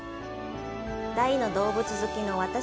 大の動物好きの私。